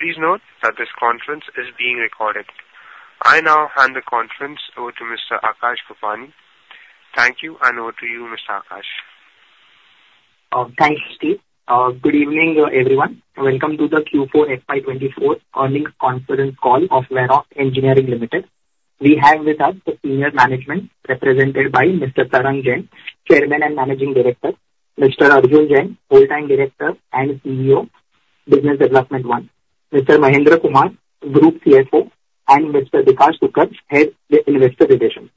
Please note that this conference is being recorded. I now hand the conference over to Mr. Akash Gopani. Thank you, and over to you, Mr. Akash. Thanks, Steve. Good evening, everyone. Welcome to the Q4 FY24 earnings conference call of Varroc Engineering Limited. We have with us the senior management, represented by Mr. Tarang Jain, Chairman and Managing Director, Mr. Arjun Jain, Full-time Director and CEO, Business Development One, Mr. Mahendra Kumar, Group CFO, and Mr. Vikas Kukreja, Head of Investor Relations.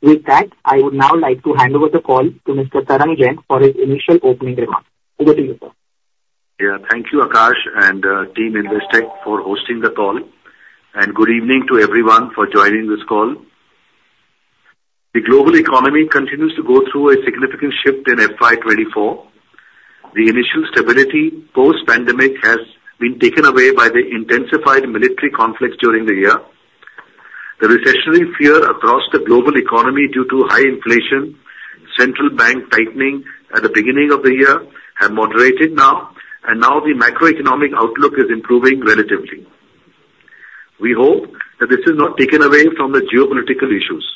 With that, I would now like to hand over the call to Mr. Tarang Jain for his initial opening remarks. Over to you, sir. Yeah. Thank you, Akash and team Investec, for hosting the call, and good evening to everyone for joining this call. The global economy continues to go through a significant shift in FY 2024. The initial stability post-pandemic has been taken away by the intensified military conflicts during the year. The recessionary fear across the global economy due to high inflation, central bank tightening at the beginning of the year have moderated now, and now the macroeconomic outlook is improving relatively. We hope that this is not taken away from the geopolitical issues.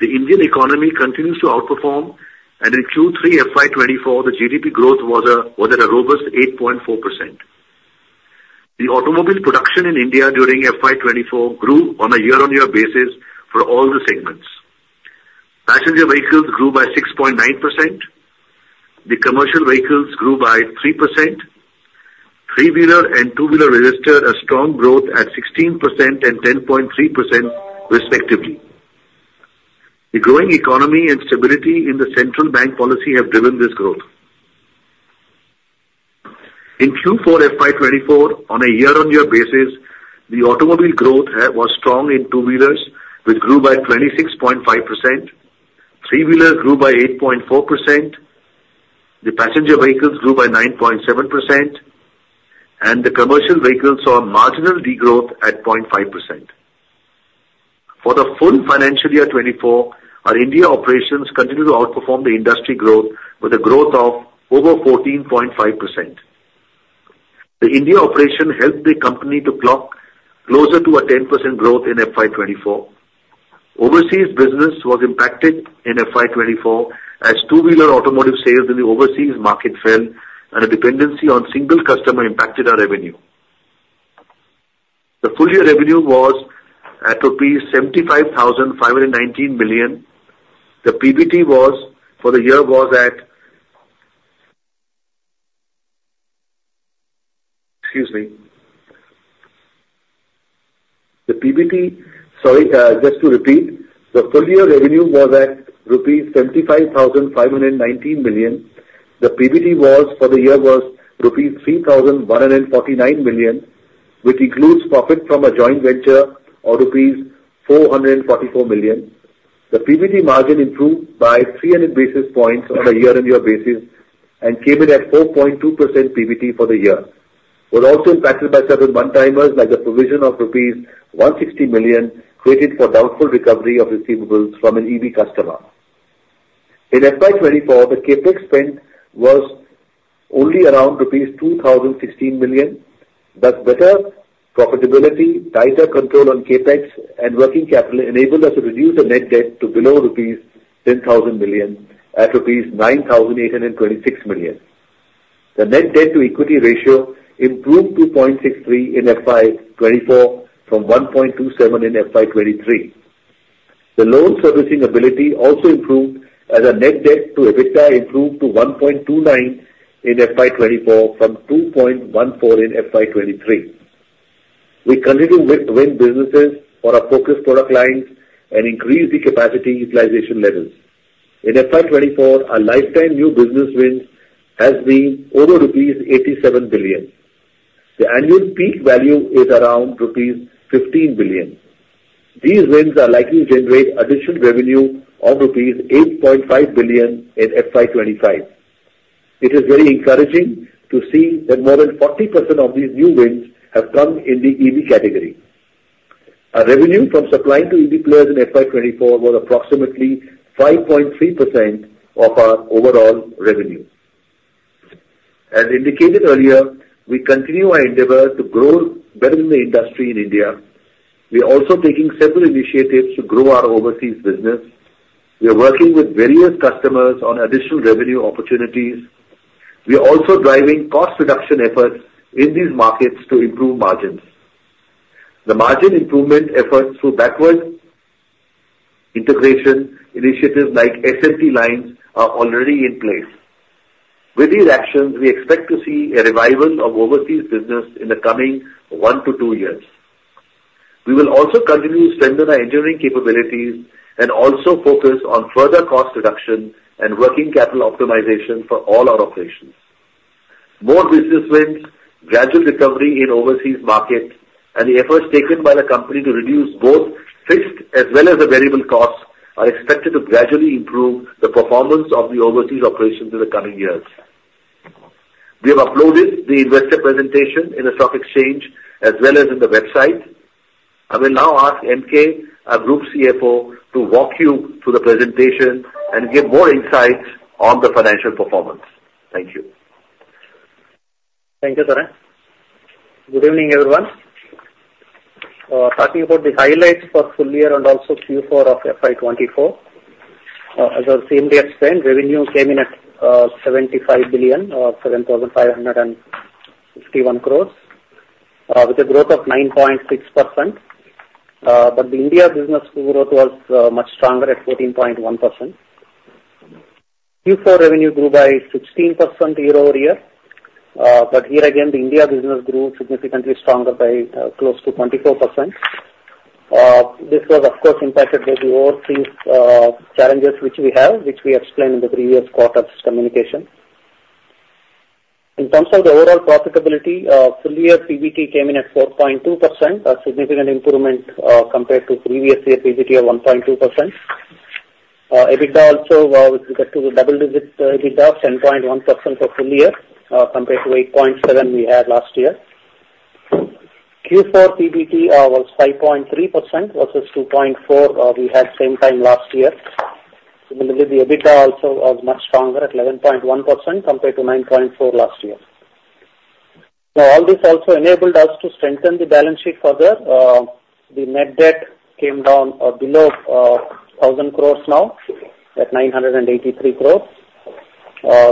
The Indian economy continues to outperform, and in Q3 FY 2024, the GDP growth was at a robust 8.4%. The automobile production in India during FY 2024 grew on a year-on-year basis for all the segments. Passenger Vehicles grew by 6.9%, the Commercial Vehicles grew by 3%, Three-wheeler and Two-wheeler registered a strong growth at 16% and 10.3%, respectively. The growing economy and stability in the central bank policy have driven this growth. In Q4 FY 2024, on a year-on-year basis, the automobile growth was strong in two-wheelers, which grew by 26.5%, three-wheelers grew by 8.4%, the Passenger Vehicles grew by 9.7%, and the Commercial Vehicles saw a marginal degrowth at -0.5%. For the full financial year 2024, our India operations continued to outperform the industry growth with a growth of over 14.5%. The India operation helped the company to clock closer to a 10% growth in FY 2024. Overseas business was impacted in FY 2024, as two-wheeler automotive sales in the overseas market fell, and a dependency on single customer impacted our revenue. The full year revenue was at INR 75,519 million. The PBT was, for the year was at... Excuse me. The PBT- Sorry, just to repeat, the full year revenue was at rupees 75,519 million. The PBT was, for the year was rupees 3,149 million, which includes profit from a joint venture of rupees 444 million. The PBT margin improved by 300 basis points on a year-on-year basis and came in at 4.2% PBT for the year. Was also impacted by several one-timers, like the provision of rupees 160 million, created for doubtful recovery of receivables from an EV customer. In FY 2024, the CapEx spend was only around rupees 2,016 million, but better profitability, tighter control on CapEx and working capital enabled us to reduce the net debt to below rupees 10,000 million, at rupees 9,826 million. The net debt to equity ratio improved to 0.63 in FY 2024 from 1.27 in FY 2023. The loan servicing ability also improved, as our net debt to EBITDA improved to 1.29 in FY 2024 from 2.14 in FY 2023. We continue with win businesses for our focused product lines and increase the capacity utilization levels. In FY 2024, our lifetime new business wins has been over rupees 87 billion. The annual peak value is around rupees 15 billion. These wins are likely to generate additional revenue of rupees 8.5 billion in FY 2025. It is very encouraging to see that more than 40% of these new wins have come in the EV category. Our revenue from supplying to EV players in FY 2024 was approximately 5.3% of our overall revenue. As indicated earlier, we continue our endeavor to grow better than the industry in India. We are also taking several initiatives to grow our overseas business. We are working with various customers on additional revenue opportunities. We are also driving cost reduction efforts in these markets to improve margins. The margin improvement efforts through backward integration initiatives, like SMT lines, are already in place. With these actions, we expect to see a revival of overseas business in the coming 1-2 years. We will also continue to strengthen our engineering capabilities and also focus on further cost reduction and working capital optimization for all our operations. More business wins, gradual recovery in overseas markets, and the efforts taken by the company to reduce both fixed as well as the variable costs, are expected to gradually improve the performance of the overseas operations in the coming years. We have uploaded the investor presentation in the stock exchange as well as in the website.... I will now ask K. Mahendra Kumar, our Group CFO, to walk you through the presentation and give more insights on the financial performance. Thank you. Thank you, Tarang. Good evening, everyone. Talking about the highlights for full year and also Q4 of FY 2024. As our CMD explained, revenue came in at 7,551 crore, with a growth of 9.6%. But the India business growth was much stronger at 14.1%. Q4 revenue grew by 16% year-over-year, but here again, the India business grew significantly stronger by close to 24%. This was of course impacted by the overseas challenges which we have, which we explained in the previous quarter's communication. In terms of the overall profitability, full year PBT came in at 4.2%, a significant improvement compared to previous year PBT of 1.2%. EBITDA also, we get to the double digit EBITDA, 10.1% for full year, compared to 8.7% we had last year. Q4 PBT was 5.3% versus 2.4%, we had same time last year. Similarly, the EBITDA also was much stronger at 11.1% compared to 9.4% last year. Now, all this also enabled us to strengthen the balance sheet further. The net debt came down below 1,000 crores now, at 983 crores,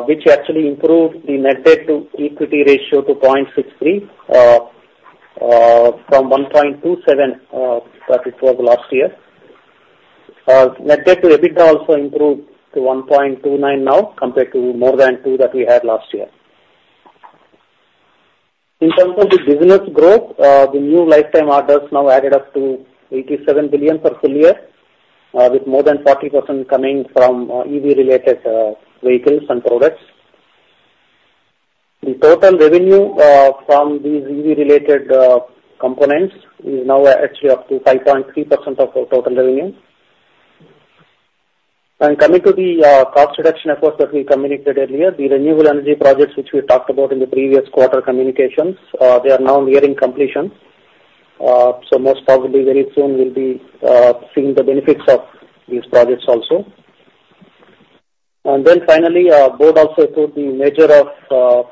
which actually improved the net debt to equity ratio to 0.63, from 1.27, that it was last year. Net debt to EBITDA also improved to 1.29 now, compared to more than 2 that we had last year. In terms of the business growth, the new lifetime orders now added up to 87 billion for full year, with more than 40% coming from EV related vehicles and products. The total revenue from these EV related components is now actually up to 5.3% of our total revenue. Coming to the cost reduction efforts that we communicated earlier, the renewable energy projects which we talked about in the previous quarter communications, they are now nearing completion. So most probably very soon we'll be seeing the benefits of these projects also. Then finally, board also approved the merger of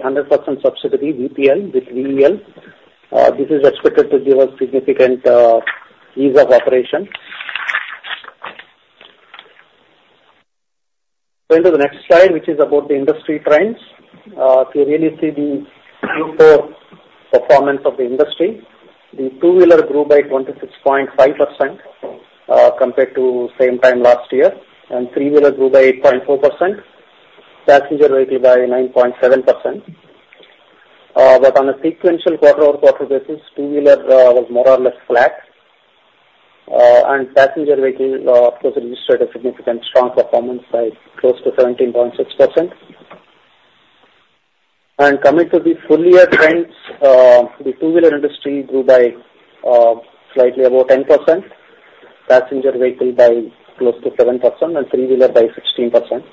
the 100% subsidiary, VPL with VEL. This is expected to give us significant ease of operation. Going to the next slide, which is about the industry trends. If you really see the Q4 performance of the industry, the Two-wheeler grew by 26.5%, compared to same time last year, and Three-wheeler grew by 8.4%, Passenger Vehicles by 9.7%. But on a sequential quarter-over-quarter basis, Two-wheeler was more or less flat. And Passenger Vehicles, of course, registered a significant strong performance by close to 17.6%. And coming to the full year trends, the Two-wheeler industry grew by slightly about 10%, Passenger Vehicles by close to 7% and Three-wheeler by 16%.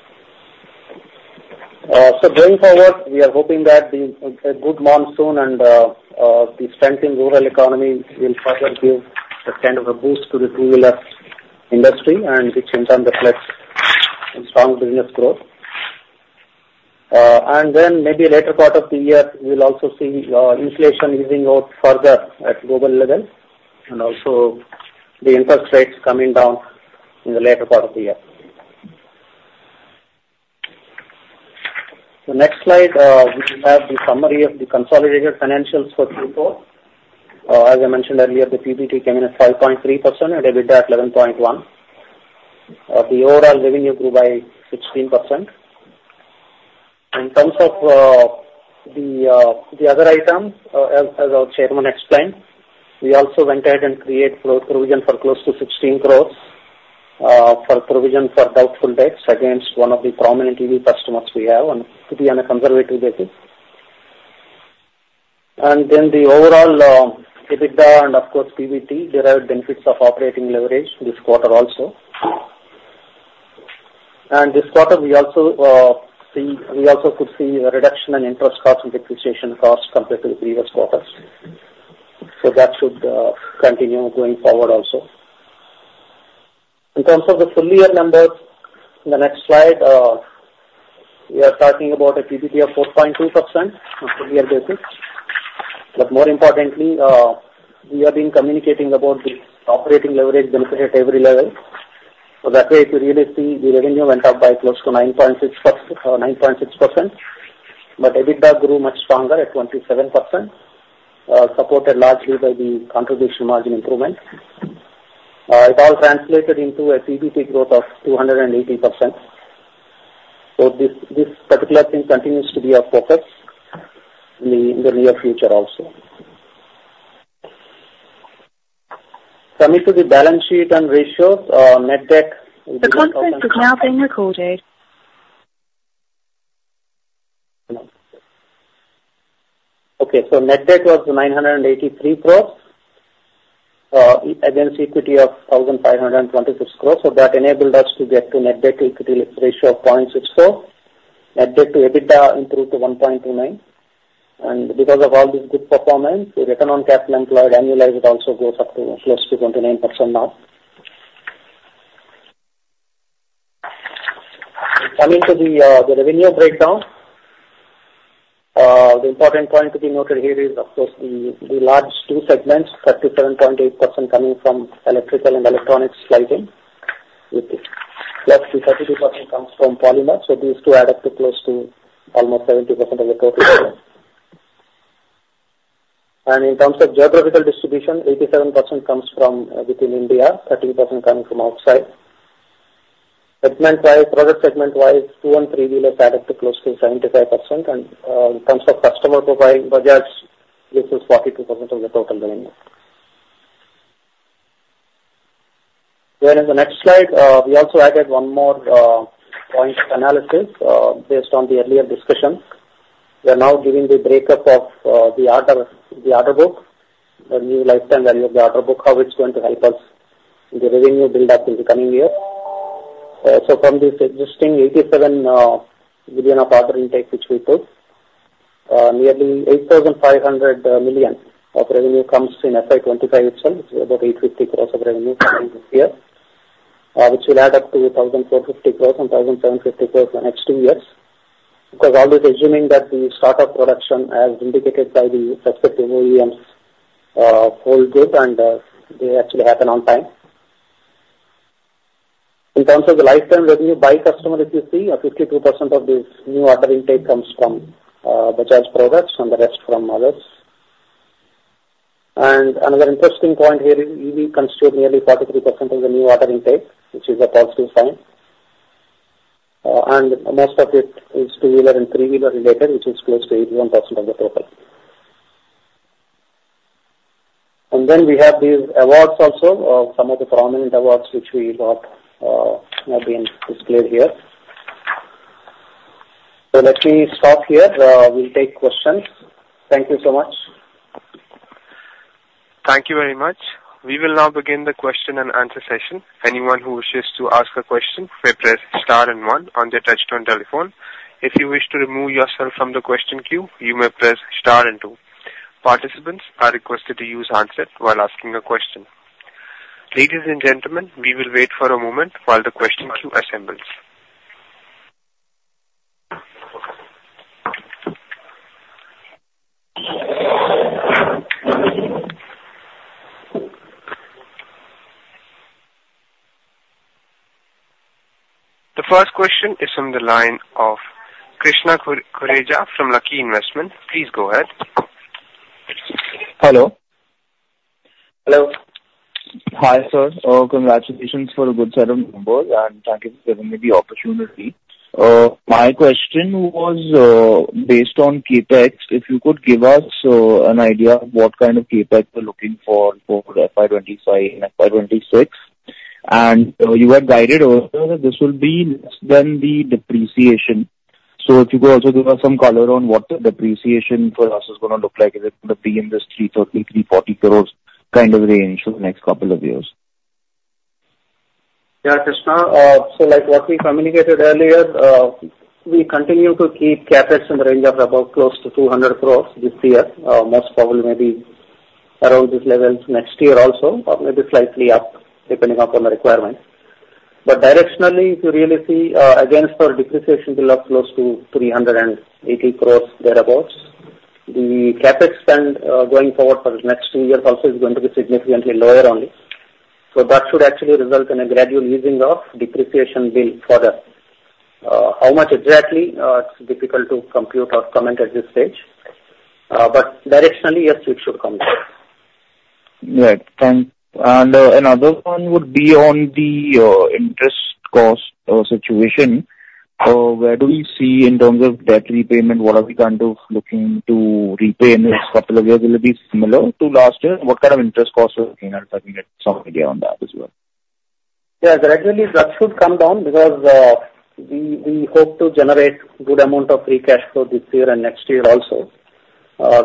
So going forward, we are hoping that the good monsoon and the strengthening rural economy will further give a kind of a boost to the Three-wheeler industry and which in turn reflects a strong business growth. And then maybe later part of the year, we'll also see, inflation easing out further at global level and also the interest rates coming down in the later part of the year. The next slide, we have the summary of the consolidated financials for Q4. As I mentioned earlier, the PBT came in at 5.3% and EBITDA at 11.1%. The overall revenue grew by 16%. In terms of the other items, as our chairman explained, we also went ahead and create provision for close to 16 crore for provision for doubtful debts against one of the prominent EV customers we have, and to be on a conservative basis. And then the overall EBITDA and of course PBT derived benefits of operating leverage this quarter also. This quarter we also could see a reduction in interest cost and depreciation cost compared to the previous quarters. So that should continue going forward also. In terms of the full year numbers, in the next slide, we are talking about a PBT of 4.2% on full year basis. But more importantly, we have been communicating about the operating leverage benefit at every level. So that way, if you really see, the revenue went up by close to 9.6%, 9.6%, but EBITDA grew much stronger at 27%, supported largely by the contribution margin improvement. It all translated into a PBT growth of 280%. So this particular thing continues to be our focus in the near future also. Coming to the balance sheet and ratios, net debt- The conference is now being recorded. Okay, so net debt was 983 crore against equity of 1,526 crore. So that enabled us to get to net debt to equity ratio of 0.64. Net Debt to EBITDA improved to 1.29. And because of all this good performance, the return on capital employed annualized, it also goes up to close to 29% now. Coming to the revenue breakdown, the important point to be noted here is, of course, the large two segments, 37.8% coming from electrical and electronics lighting, with plus the 32% comes from polymers. So these two add up to close to almost 70% of the total. And in terms of geographical distribution, 87% comes from within India, 13% coming from outside. Segment-wise, product segment-wise, two and three wheelers add up to close to 75%. And, in terms of customer profile, Bajaj, this is 42% of the total revenue. Then in the next slide, we also added one more point of analysis based on the earlier discussion. We are now giving the breakup of the order, the order book, the new lifetime value of the order book, how it's going to help us in the revenue build up in the coming year. So from this existing 87 billion of order intake, which we took, nearly 8,500 million of revenue comes in FY 2025 itself, which is about 850 crores of revenue for this year. Which will add up to 1,450 crores and 1,750 crores in the next two years. Of course, always assuming that the start of production, as indicated by the respective OEMs, hold good and, they actually happen on time. In terms of the lifetime revenue by customer, if you see, 52% of this new order intake comes from, Bajaj products and the rest from others. And another interesting point here is EV constitute nearly 43% of the new order intake, which is a positive sign. And most of it is two-wheeler and three-wheeler related, which is close to 81% of the total. And then we have these awards also, some of the prominent awards which we got, have been displayed here. So let me stop here. We'll take questions. Thank you so much. Thank you very much. We will now begin the question and answer session. Anyone who wishes to ask a question may press star and one on their touchtone telephone. If you wish to remove yourself from the question queue, you may press star and two. Participants are requested to use answer while asking a question. Ladies and gentlemen, we will wait for a moment while the question queue assembles. The first question is from the line of Krishna Kukreja from Lucky Investment. Please go ahead. Hello? Hello. Hi, sir. Congratulations for a good set of numbers, and thank you for giving me the opportunity. My question was, based on CapEx, if you could give us an idea of what kind of CapEx we're looking for for FY 2025 and FY 2026. You had guided over that this will be less than the depreciation. If you could also give us some color on what the depreciation for us is going to look like. Is it going to be in this 330 crores-340 crores kind of range for the next couple of years? Yeah, Krishna, so like what we communicated earlier, we continue to keep CapEx in the range of about close to 200 crore this year. Most probably, maybe around these levels next year also, or maybe slightly up, depending upon the requirement. But directionally, if you really see, against our depreciation bill of close to 380 crore, thereabouts, the CapEx spend, going forward for the next two years also is going to be significantly lower only. So that should actually result in a gradual easing of depreciation bill further. How much exactly, it's difficult to compute or comment at this stage, but directionally, yes, it should come down. Right. And another one would be on the interest cost situation. Where do we see in terms of debt repayment? What are we kind of looking to repay in this couple of years? Will it be similar to last year? What kind of interest costs are we looking at? If I can get some idea on that as well. Yeah, gradually, that should come down because we hope to generate a good amount of free cash flow this year and next year also,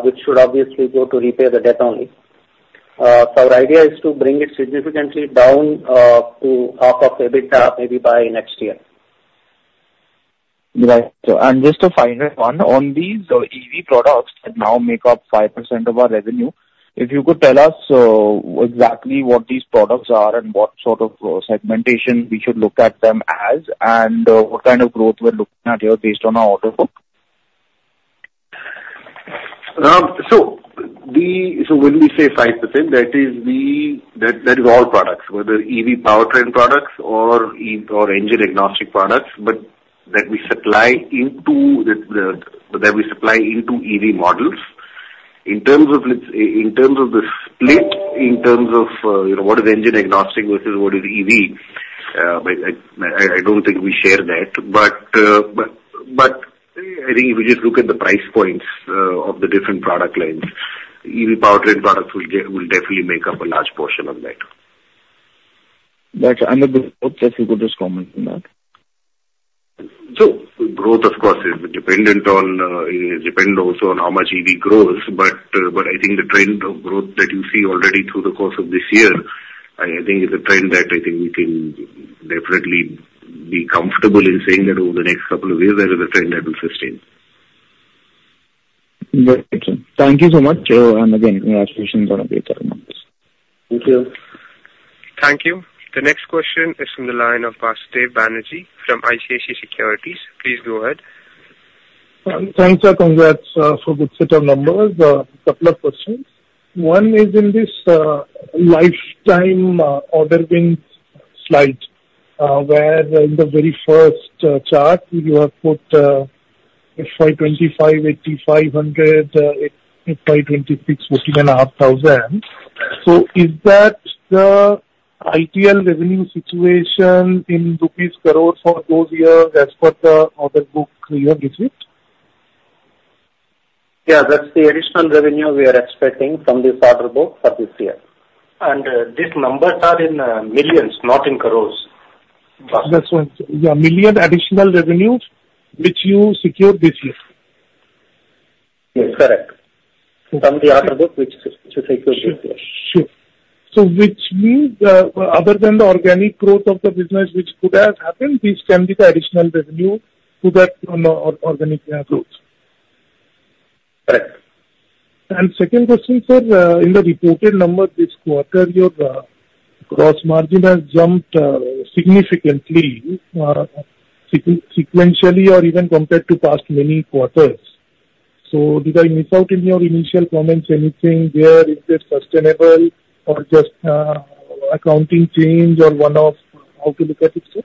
which should obviously go to repay the debt only. So our idea is to bring it significantly down, to half of EBITDA, maybe by next year. Right. And just a final one. On these EV products that now make up 5% of our revenue, if you could tell us exactly what these products are and what sort of segmentation we should look at them as, and what kind of growth we're looking at here based on our order book? When we say 5%, that is the, that, that is all products, whether EV powertrain products or engine agnostic products, but that we supply into the, the, that we supply into EV models. In terms of its, in terms of the split, in terms of, you know, what is engine agnostic versus what is EV, I don't think we share that. But I think if you just look at the price points of the different product lines, EV powertrain products will definitely make up a large portion of that. Right. And the growth, if you could just comment on that. So growth, of course, is dependent on, it depends also on how much EV grows. But I think the trend of growth that you see already through the course of this year-... I think it's a trend that I think we can definitely be comfortable in saying that over the next couple of years, that is a trend that will sustain. Great. Thank you so much, and again, congratulations on a great set of numbers. Thank you. Thank you. The next question is from the line of Basudeb Banerjee from ICICI Securities. Please go ahead. Thanks, sir. Congrats for good set of numbers. A couple of questions. One is in this lifetime order win slide, where in the very first chart, you have put FY 2025, INR 8,500 crore, FY 2026, 14,500 crore. So is that the ITL revenue situation in rupees crores for those years as per the order book you have received? Yeah, that's the additional revenue we are expecting from this order book for this year. These numbers are in millions, not in crores. That's right. Yeah, million additional revenues which you secure this year. Yes, correct. From the order book, which to secure this year. Sure. So which means, other than the organic growth of the business which could have happened, this can be the additional revenue to that on the organic growth? Correct. And second question, sir, in the reported numbers this quarter, your gross margin has jumped significantly sequentially or even compared to past many quarters. So did I miss out in your initial comments anything there, is it sustainable or just accounting change or one-off? How to look at it, sir?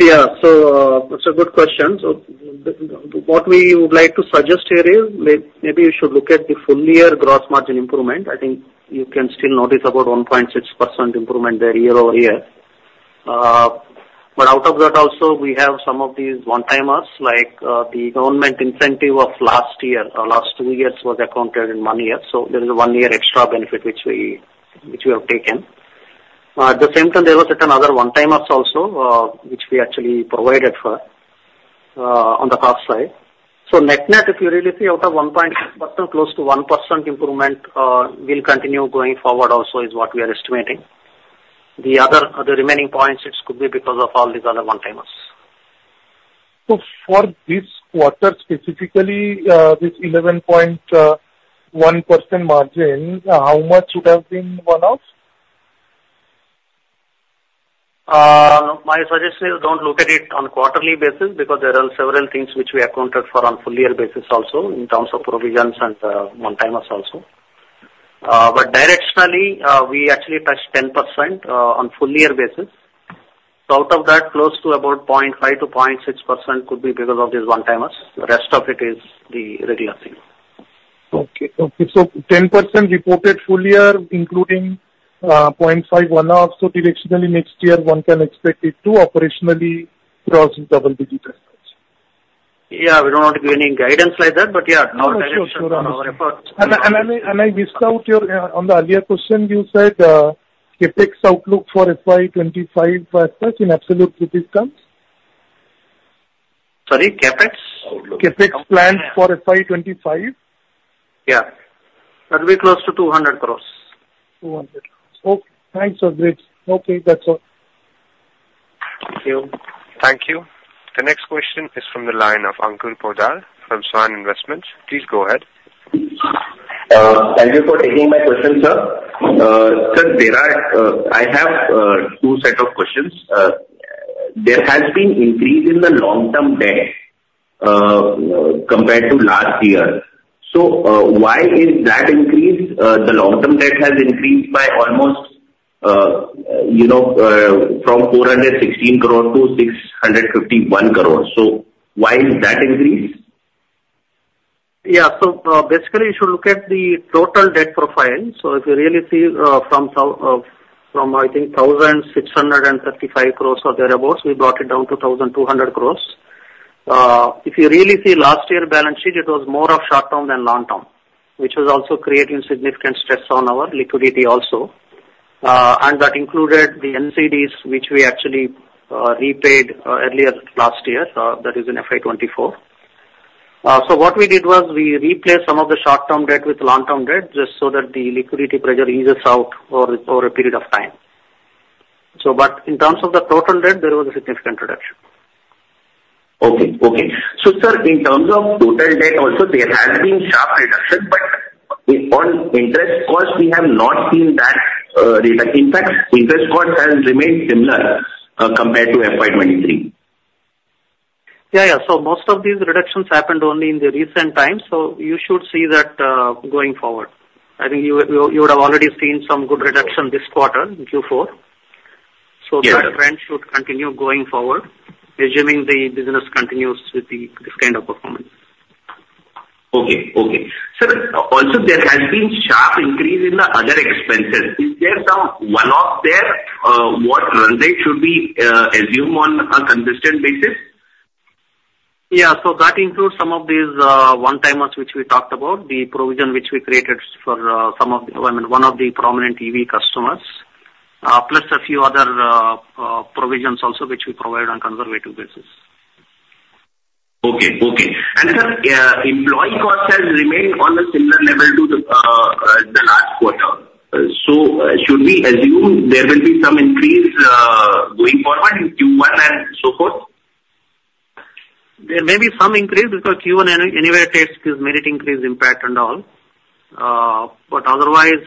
Yeah. So, it's a good question. So the, what we would like to suggest here is maybe you should look at the full year gross margin improvement. I think you can still notice about 1.6% improvement there year-over-year. But out of that also we have some of these one-timers, like, the government incentive of last year or last two years was accounted in one year. So there is a one-year extra benefit which we, which we have taken. At the same time, there were certain other one-timers also, which we actually provided for, on the cost side. So net-net, if you really see out of 1 point, close to 1% improvement, will continue going forward also is what we are estimating. The other, the remaining points, it could be because of all these other one-timers. So for this quarter, specifically, this 11.1% margin, how much would have been one-off? My suggestion is don't look at it on a quarterly basis because there are several things which we accounted for on full year basis also, in terms of provisions and one-timers also. But directionally, we actually touched 10%, on full year basis. So out of that, close to about 0.5%-0.6% could be because of these one-timers. The rest of it is the regular thing. Okay. Okay, so 10% reported full year, including 0.5 one-offs. So directionally, next year, one can expect it to operationally cross double digits. Yeah, we don't want to give any guidance like that, but, yeah, our direction- Sure, sure. and our efforts. And I missed out on your earlier question. You said CapEx outlook for FY 2025 in absolute INR terms? Sorry, CapEx outlook. CapEx plans for FY25. Yeah. That will be close to 200 crore. 200. Ok. Thanks, so great. Okay, that's all. Thank you. Thank you. The next question is from the line of Ankur Poddar from Swan Investments. Please go ahead. Thank you for taking my question, sir. Sir, there are, I have, two set of questions. There has been increase in the long-term debt, compared to last year. So, why is that increase? The long-term debt has increased by almost, you know, from 416 crore to 651 crore. So why is that increase? Yeah. So, basically, you should look at the total debt profile. So if you really see, from I think 1,655 crores or thereabouts, we brought it down to 1,200 crores. If you really see last year balance sheet, it was more of short-term than long-term, which was also creating significant stress on our liquidity also. And that included the NCDs, which we actually repaid earlier last year, that is in FY 2024. So what we did was we replaced some of the short-term debt with long-term debt, just so that the liquidity pressure eases out over a period of time. So but in terms of the total debt, there was a significant reduction. Okay. Okay. So, sir, in terms of total debt also, there has been sharp reduction, but on interest costs, we have not seen that, reduce. In fact, interest cost has remained similar, compared to FY 2023. Yeah, yeah. So most of these reductions happened only in the recent times, so you should see that, going forward. I think you, you would have already seen some good reduction this quarter, in Q4. Yes. That trend should continue going forward, assuming the business continues with this kind of performance. Okay, okay. Sir, also, there has been sharp increase in the other expenses. Is there some one-off there? What run rate should we assume on a consistent basis? Yeah. So that includes some of these, one-timers, which we talked about, the provision which we created for, some of the, I mean, one of the prominent EV customers, plus a few other, provisions also, which we provide on conservative basis. ...Okay, okay. And sir, employee costs have remained on a similar level to the, the last quarter. So, should we assume there will be some increase, going forward in Q1 and so forth? There may be some increase because Q1 anyway takes this merit increase impact and all. But otherwise,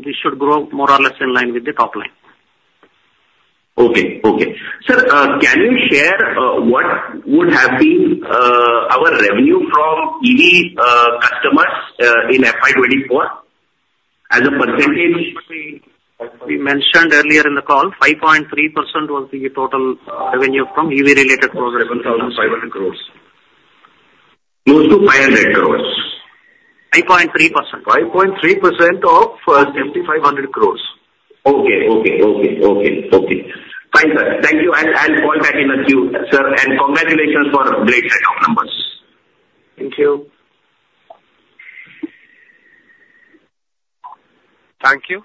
this should grow more or less in line with the top line. Okay, okay. Sir, can you share what would have been our revenue from EV customers in FY 2024 as a percentage? We mentioned earlier in the call, 5.3% was the total revenue from EV related projects. 7,500 crores. Close to 500 crore. 5.3%. 5.3% of 7,500 crore. Okay, okay, okay, okay, okay. Fine, sir. Thank you, and, I'll call back in a queue, sir, and congratulations for a great set of numbers. Thank you. Thank you.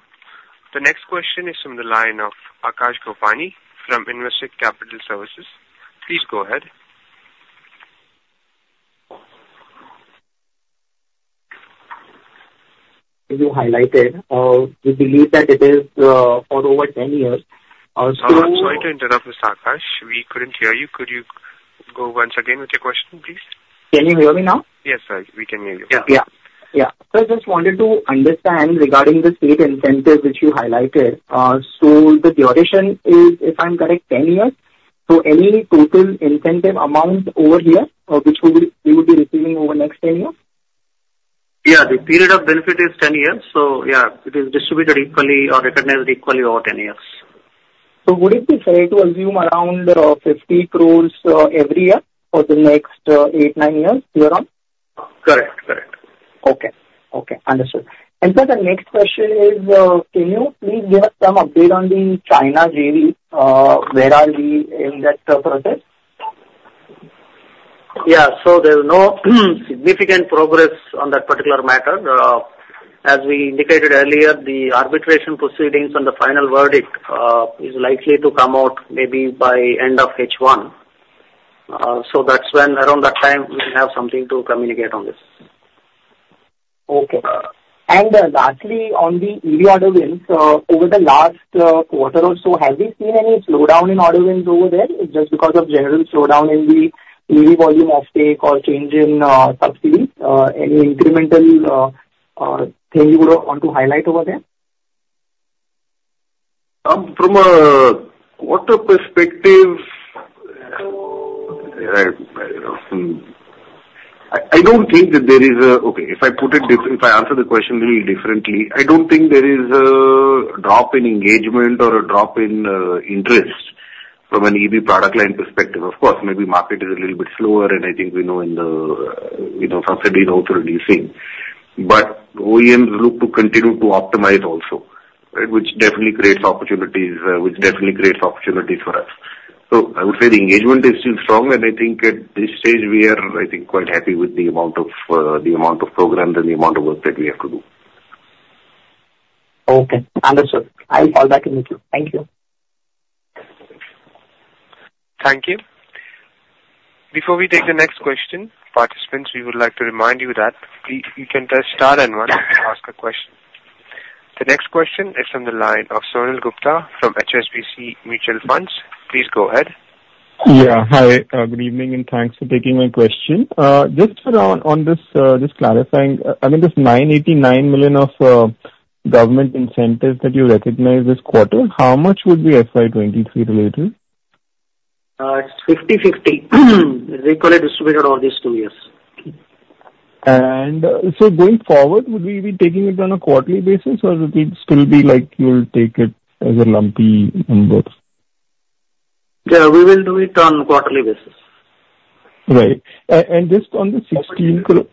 The next question is from the line of Akash Gopani from Investec Capital Services. Please go ahead. You highlighted, you believe that it is for over 10 years. So- I'm sorry to interrupt, Mr. Akash. We couldn't hear you. Could you go once again with your question, please? Can you hear me now? Yes, sir, we can hear you now. Yeah, yeah. So I just wanted to understand regarding the state incentives which you highlighted. So the duration is, if I'm correct, 10 years? So any total incentive amount over here, which will be, we will be receiving over the next 10 years? Yeah. The period of benefit is 10 years. So yeah, it is distributed equally or recognized equally over 10 years. Would it be fair to assume around 50 crore every year for the next 8-9 years thereon? Correct, correct. Okay. Okay, understood. And sir, the next question is, can you please give us some update on the China JV? Where are we in that process? Yeah. So there's no significant progress on that particular matter. As we indicated earlier, the arbitration proceedings on the final verdict is likely to come out maybe by end of H1. So that's when around that time we will have something to communicate on this. Okay. And, lastly, on the EV order wins, over the last quarter or so, have you seen any slowdown in order wins over there, just because of general slowdown in the EV volume offtake or change in subsidies? Any incremental thing you would want to highlight over there? From a quarter perspective, okay, if I answer the question little differently, I don't think there is a drop in engagement or a drop in interest from an EV product line perspective. Of course, maybe market is a little bit slower, and I think we know in the you know subsidy is also reducing. But OEMs look to continue to optimize also, right? Which definitely creates opportunities, which definitely creates opportunities for us. So I would say the engagement is still strong, and I think at this stage we are, I think, quite happy with the amount of the amount of programs and the amount of work that we have to do. Okay, understood. I'll call back in the queue. Thank you. Thank you. Before we take the next question, participants, we would like to remind you that you can press star and one to ask a question. The next question is from the line of Sonal Gupta from HSBC Mutual Fund. Please go ahead. Yeah. Hi, good evening, and thanks for taking my question. Just around on this, just clarifying, I think this 989 million of government incentives that you recognized this quarter, how much would be FY 2023 related? It's 50/50. Equally distributed over these two years. Going forward, would we be taking it on a quarterly basis, or will it still be like you'll take it as a lumpy number? Yeah, we will do it on a quarterly basis. Right. And just on the 16 crore,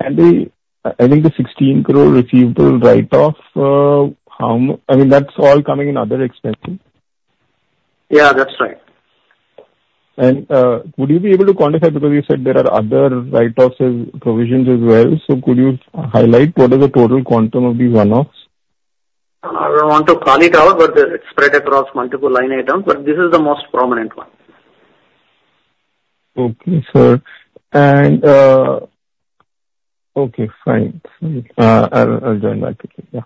and the, I think the 16 crore receivable write-off, I mean, that's all coming in other expenses? Yeah, that's right. Would you be able to quantify? Because you said there are other write-offs and provisions as well. Could you highlight what is the total quantum of the one-offs? I don't want to call it out, but they're spread across multiple line items, but this is the most prominent one. Okay, sir. And, okay, fine. I'll join back again. Yeah.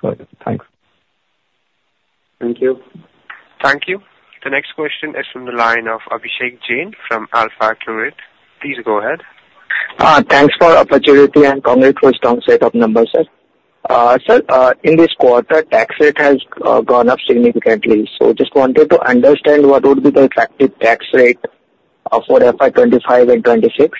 So thanks. Thank you. Thank you. The next question is from the line of Abhishek Jain from AlfAccurate. Please go ahead. Thanks for the opportunity, and congrats for a strong set of numbers, sir. Sir, in this quarter, tax rate has gone up significantly. So just wanted to understand what would be the effective tax rate for FY 25 and 26.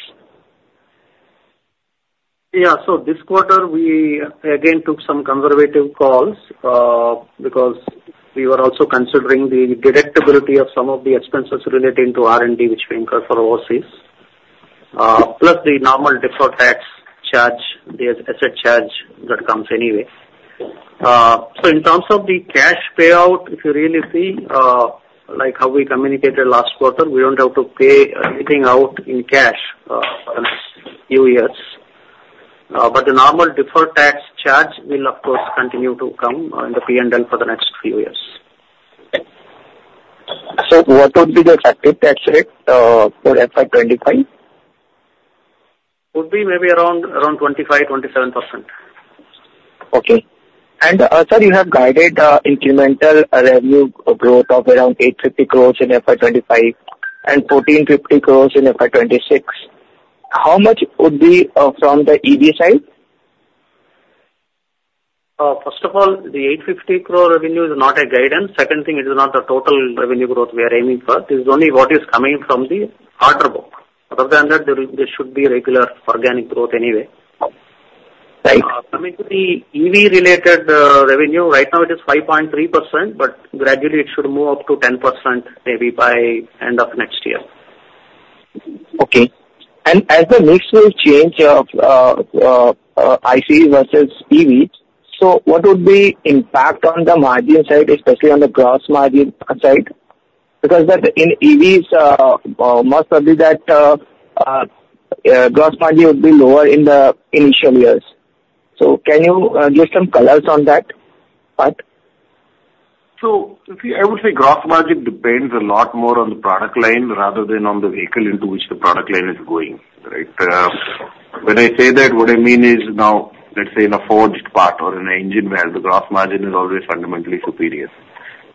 Yeah. So this quarter, we again took some conservative calls, because we were also considering the deductibility of some of the expenses relating to R&D, which we incur for overseas, plus the normal deferred tax charge, the asset charge that comes anyway. So in terms of the cash payout, if you really see, like how we communicated last quarter, we don't have to pay anything out in cash, in the next few years. But the normal deferred tax charge will of course continue to come, in the P&L for the next few years. What would be the effective tax rate for FY 2025? Would be maybe around 25%-27%. Okay. And, sir, you have guided incremental revenue growth of around 850 crores in FY 2025 and 1,450 crores in FY 2026. How much would be from the EV side? First of all, the 850 crore revenue is not a guidance. Second thing, it is not the total revenue growth we are aiming for. This is only what is coming from the order book. Other than that, there will, there should be regular organic growth anyway. Right. Coming to the EV-related revenue, right now it is 5.3%, but gradually it should move up to 10%, maybe by end of next year. Okay. And as the mix will change of ICE versus EV, so what would be impact on the margin side, especially on the gross margin side? Because that in EVs, most probably that, yeah, gross margin would be lower in the initial years. So can you give some colors on that part? So see, I would say Gross Margin depends a lot more on the product line rather than on the vehicle into which the product line is going, right? When I say that, what I mean is now, let's say in a forged part or in an engine valve, the Gross Margin is always fundamentally superior.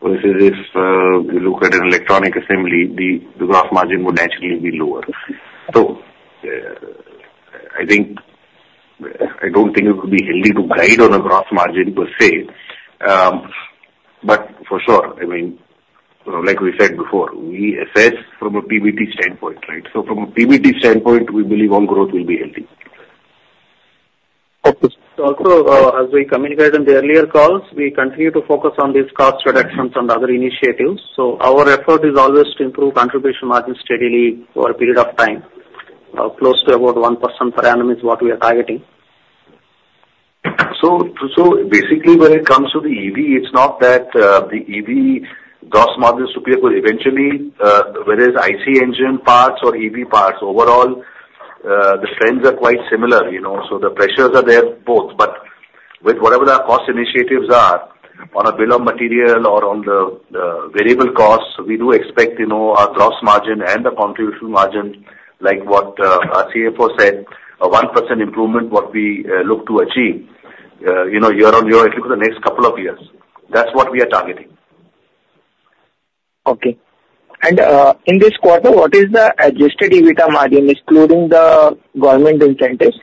Versus if you look at an electronic assembly, the Gross Margin would naturally be lower. So, I think, I don't think it would be healthy to guide on a Gross Margin per se. But for sure, I mean, like we said before, we assess from a PBT standpoint, right? So from a PBT standpoint, we believe our growth will be healthy. Okay. So also, as we communicated in the earlier calls, we continue to focus on these cost reductions and other initiatives. So our effort is always to improve contribution margin steadily over a period of time, close to about 1% per annum is what we are targeting. So, basically when it comes to the EV, it's not that the EV gross margin is superior. Because eventually, whereas IC engine parts or EV parts, overall, the trends are quite similar, you know. So the pressures are there both. But with whatever our cost initiatives are on a bill of material or on the variable costs, we do expect, you know, our gross margin and the contribution margin, like what our CFO said, a 1% improvement, what we look to achieve, you know, year-on-year, at least for the next couple of years. That's what we are targeting. Okay. And, in this quarter, what is the adjusted EBITDA margin, excluding the government incentives?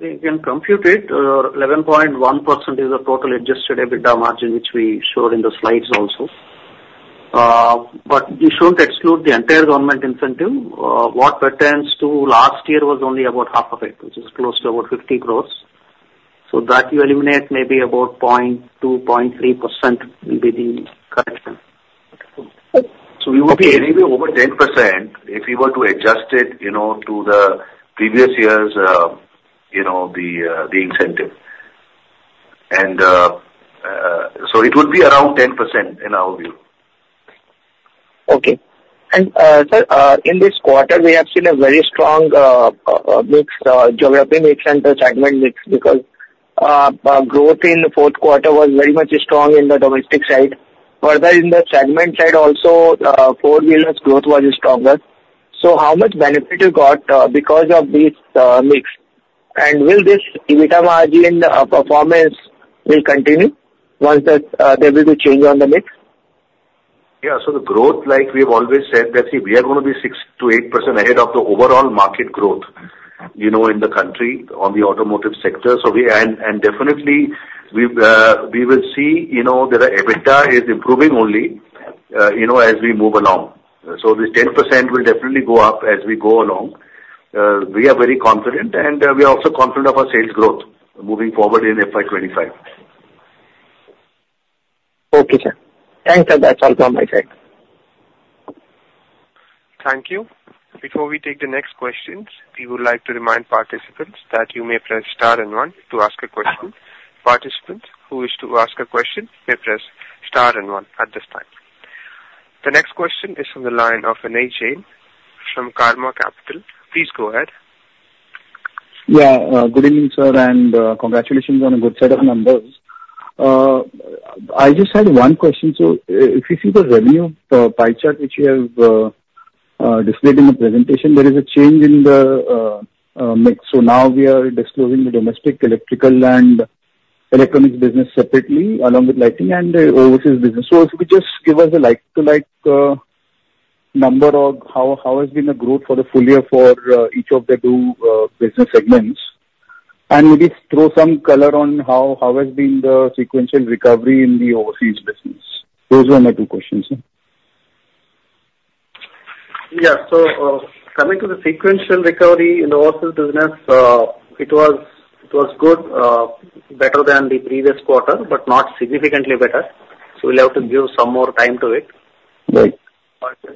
We can compute it. 11.1% is the total adjusted EBITDA margin, which we showed in the slides also. But you shouldn't exclude the entire government incentive. What pertains to last year was only about half of it, which is close to about 50 crore. So that you eliminate maybe about 0.2%-0.3% will be the correction. So we will be anyway over 10% if you were to adjust it, you know, to the previous year's, you know, the, the incentive. And, so it would be around 10% in our view. Okay. And, sir, in this quarter, we have seen a very strong mix, geography mix and the segment mix, because growth in the fourth quarter was very much strong in the domestic side. Further, in the segment side, also, four wheelers growth was stronger. So how much benefit you got because of this mix? And will this EBITDA margin performance continue once that there will be change on the mix? Yeah. So the growth, like we've always said, that see, we are going to be 6%-8% ahead of the overall market growth, you know, in the country, on the automotive sector. So we and definitely we will see, you know, that our EBITDA is improving only, you know, as we move along. So this 10% will definitely go up as we go along. We are very confident, and we are also confident of our sales growth moving forward in FY 2025. Okay, sir. Thanks, sir. That's all from my side. Thank you. Before we take the next questions, we would like to remind participants that you may press star and one to ask a question. Participants who wish to ask a question may press star and one at this time. The next question is from the line of Vinay Jain from Karma Capital. Please go ahead. Yeah. Good evening, sir, and congratulations on a good set of numbers. I just had one question: so if you see the revenue pie chart, which you have displayed in the presentation, there is a change in the mix. So now we are disclosing the domestic, electrical, and electronics business separately, along with lighting and overseas business. So if you could just give us a like to like number of how has been the growth for the full year for each of the two business segments? And maybe throw some color on how has been the sequential recovery in the overseas business? Those were my two questions, sir. Yeah. So, coming to the sequential recovery in the overseas business, it was, it was good, better than the previous quarter, but not significantly better. So we'll have to give some more time to it. Right.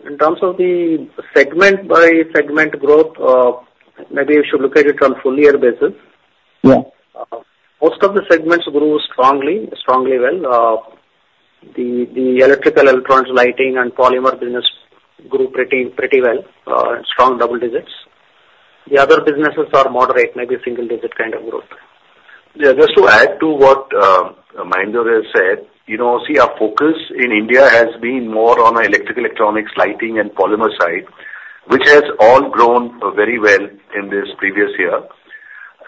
In terms of the segment by segment growth, maybe you should look at it on full year basis. Yeah. ...Most of the segments grew strongly, strongly well. The electrical, electronics, lighting and polymer business grew pretty, pretty well in strong double digits. The other businesses are moderate, maybe single digit kind of growth. Yeah, just to add to what Mahendra has said, you know, see, our focus in India has been more on electrical, electronics, lighting and polymer side, which has all grown very well in this previous year.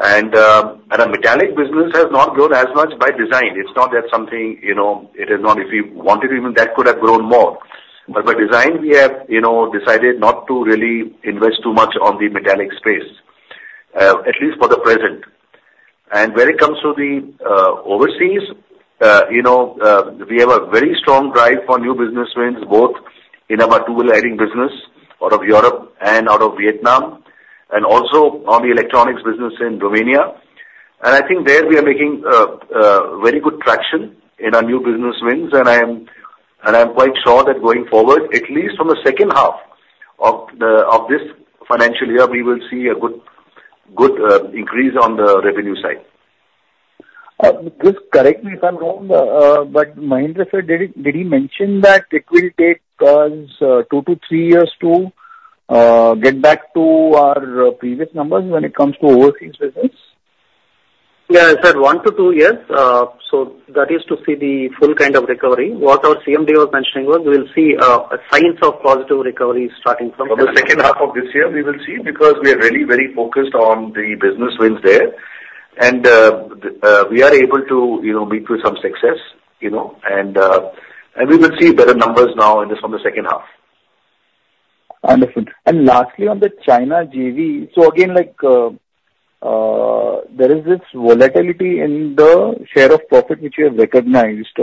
And our metallic business has not grown as much by design. It's not that something, you know, it is not if we wanted to, even that could have grown more. But by design, we have, you know, decided not to really invest too much on the metallic space, at least for the present. And when it comes to the overseas, you know, we have a very strong drive for new business wins, both in our two-wheeler lighting business out of Europe and out of Vietnam, and also on the electronics business in Romania. I think there we are making very good traction in our new business wins. I'm quite sure that going forward, at least from the second half of this financial year, we will see a good increase on the revenue side. Please correct me if I'm wrong, but Mahendra, sir, did he, did he mention that it will take us 2-3 years to get back to our previous numbers when it comes to overseas business? Yeah, I said 1-2 years. So that is to see the full kind of recovery. What our CMD was mentioning was, we will see signs of positive recovery starting from- From the second half of this year, we will see, because we are really very focused on the business wins there. And we are able to, you know, meet with some success, you know, and and we will see better numbers now in this from the second half. Understood. And lastly, on the China JV, so again, like, there is this volatility in the share of profit which you have recognized.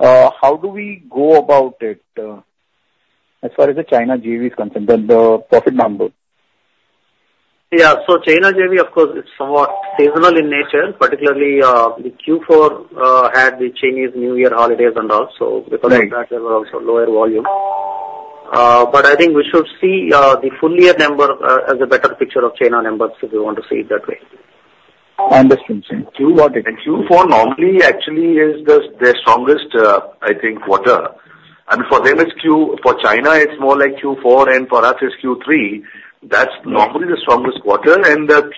How do we go about it, as far as the China JV is concerned and the profit number? Yeah. So China JV, of course, is somewhat seasonal in nature, particularly, the Q4 had the Chinese New Year holidays and all. Right. So because of that, there were also lower volume. But I think we should see the full year number as a better picture of China numbers, if you want to see it that way. Understood. Thank you. Q4 normally actually is the strongest, I think, quarter. I mean, for them, it's Q4. For China, it's more like Q4, and for us it's Q3. Mm-hmm. That's normally the strongest quarter, and the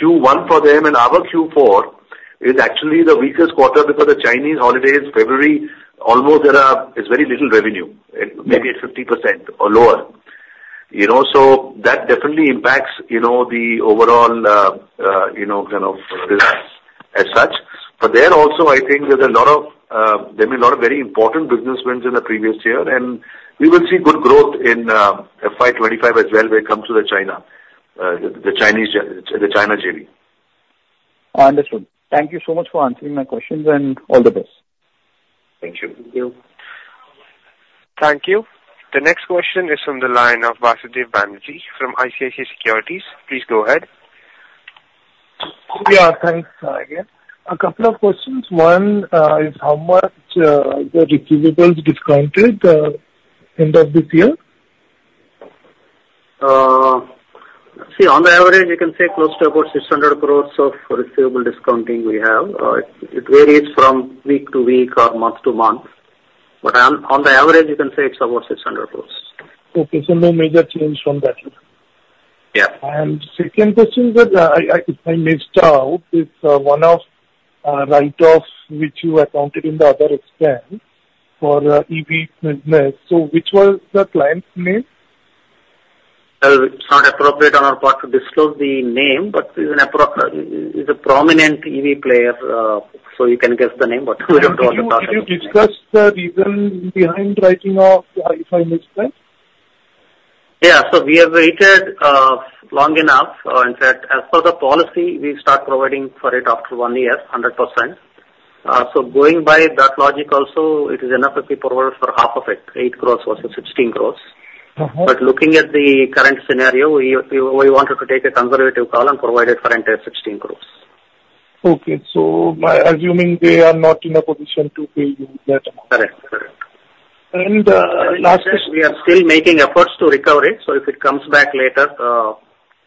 Q1 for them and our Q4 is actually the weakest quarter because the Chinese holidays, February. It's very little revenue. Yeah. Maybe it's 50% or lower. You know, so that definitely impacts, you know, the overall, you know, kind of business as such. But there also, I think there's a lot of, there may be a lot of very important business wins in the previous year, and we will see good growth in, FY 2025 as well, when it comes to the China, the, the Chinese, the China JV. Understood. Thank you so much for answering my questions, and all the best. Thank you. Thank you. Thank you. The next question is from the line of Basudeb Banerjee from ICICI Securities. Please go ahead. Yeah, thanks, again. A couple of questions. One, is how much the receivables discounted end of this year? See, on the average, you can say close to about 600 crores of receivable discounting we have. It varies from week to week or month to month. But on the average, you can say it's about 600 crores. Okay, so no major change from that year? Yeah. And second question, sir, I, if I missed out, is one of write-offs, which you accounted in the other expense for EV business. So which was the client's name? Well, it's not appropriate on our part to disclose the name, but it's a prominent EV player, so you can guess the name, but we don't want to talk about- Could you discuss the reason behind writing off, if I missed that? Yeah. So we have waited long enough. In fact, as per the policy, we start providing for it after one year, 100%. So going by that logic also, it is enough if we provide for half of it, 8 crores versus 16 crores. Mm-hmm. But looking at the current scenario, we wanted to take a conservative call and provided for entire 16 crore. Okay. So by assuming they are not in a position to pay you that amount? Correct. Correct. Last question. We are still making efforts to recover it, so if it comes back later,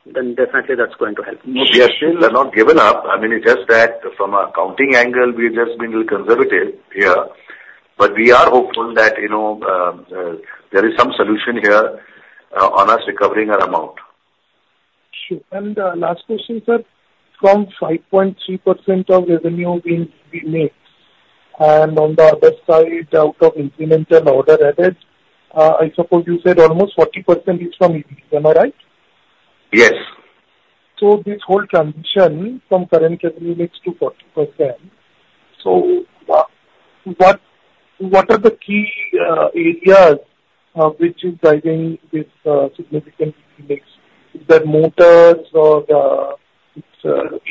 then definitely that's going to help. We are still not given up. I mean, it's just that from an accounting angle, we've just been little conservative here. But we are hopeful that, you know, there is some solution here, on us recovering our amount. Sure. And, last question, sir. From 5.3% of revenue being EV mix, and on the other side, out of incremental order added, I suppose you said almost 40% is from EV. Am I right? Yes. So this whole transition from current category mix to 40%, so what are the key areas which is driving this significant mix? Is that motors or it's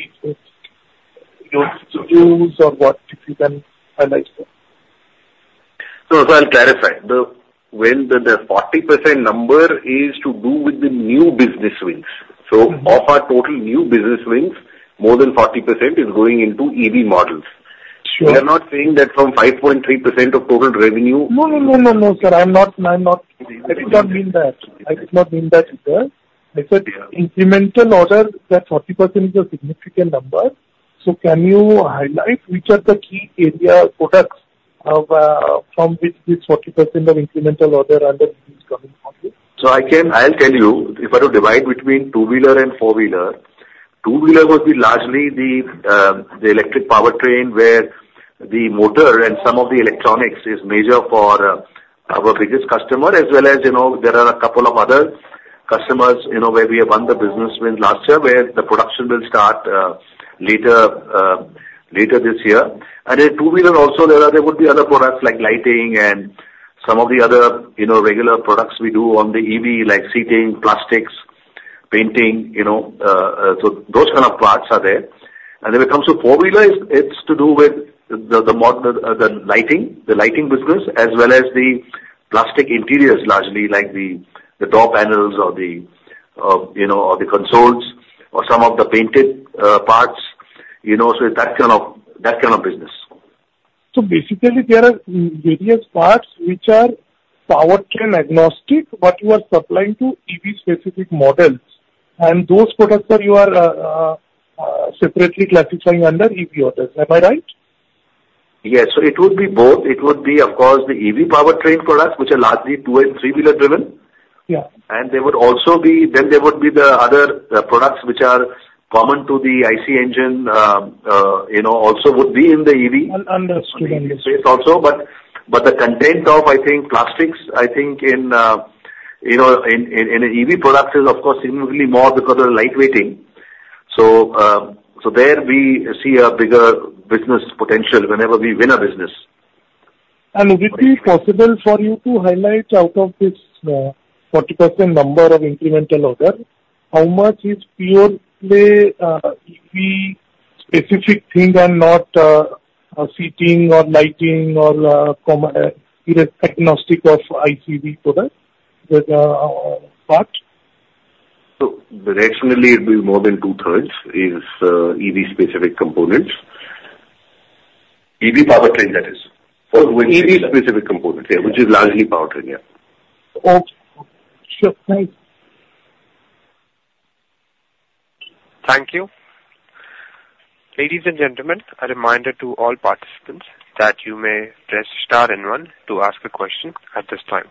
solutions or what? If you can analyze that. So I'll clarify. The 40% number is to do with the new business wins. Mm-hmm. So of our total new business wins, more than 40% is going into EV models.... We are not saying that from 5.3% of total revenue- No, no, no, no, no, sir, I'm not, I'm not, I did not mean that. I did not mean that, sir. I said incremental order, that 40% is a significant number. So can you highlight which are the key area products of, from which this 40% of incremental order under is coming from? So, I can, I'll tell you, if I were to divide between two-wheeler and four-wheeler, two-wheeler would be largely the, the electric powertrain, where the motor and some of the electronics is major for our biggest customer, as well as, you know, there are a couple of other customers, you know, where we have won the business win last year, where the production will start, later, later this year. And in two-wheeler also, there are, there would be other products like lighting and some of the other, you know, regular products we do on the EV, like seating, plastics, painting, you know, so those kind of parts are there. When it comes to four-wheeler, it's to do with the lighting business, as well as the plastic interiors, largely like the door panels or, you know, the consoles or some of the painted parts, you know, so that kind of, that kind of business. So basically, there are various parts which are powertrain agnostic, but you are supplying to EV-specific models, and those products that you are separately classifying under EV orders. Am I right? Yes. So it would be both. It would be, of course, the EV powertrain products, which are largely two and three-wheeler driven. Yeah. There would also be... Then there would be the other products which are common to the ICE, you know, also would be in the EV- Understood. Also, but the content of, I think, plastics, I think, in you know in EV products is, of course, significantly more because of the light weighting. So there we see a bigger business potential whenever we win a business. Would it be possible for you to highlight, out of this 40% number of incremental order, how much is purely EV-specific thing and not seating or lighting or common agnostic of ICE product part? So rationally, it'll be more than two-thirds is EV-specific components. EV powertrain, that is. EV-specific components. Yeah, which is largely powertrain, yeah. Okay. Sure. Thanks. Thank you. Ladies and gentlemen, a reminder to all participants that you may press star and one to ask a question at this time.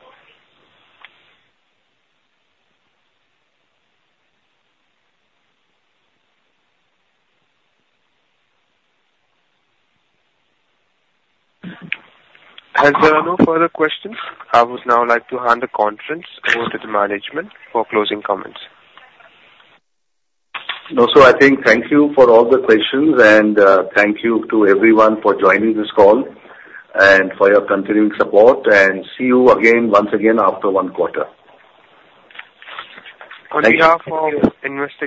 As there are no further questions, I would now like to hand the conference over to the management for closing comments. No, so I think thank you for all the questions, and thank you to everyone for joining this call and for your continuing support, and see you again, once again, after one quarter. On behalf of investors.